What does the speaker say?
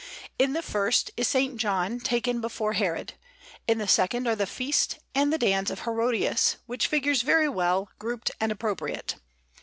In the first is S. John taken before Herod. In the second are the Feast and the Dance of Herodias, with figures very well grouped and appropriate.